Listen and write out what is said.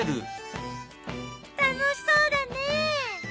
楽しそうだね。